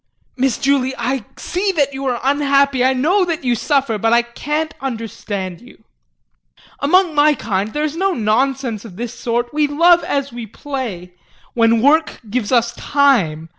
Miss Julie, I see that you are unhappy, I know that you suffer, but I can't understand you. Among my kind there is no nonsense of this sort; we love as we play when work gives us time.